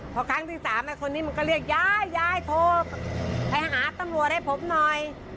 พอครั้งที่สามไอ้คนนี้มันก็เรียกยายยายโทรไปหาตำรวจให้ผมหน่อย